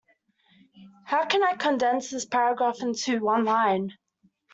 How can I condense this paragraph into one line?